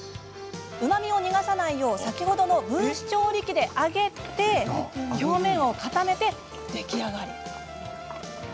うまみを逃さないよう先ほどの分子調理器で揚げて表面を固め、出来上がり。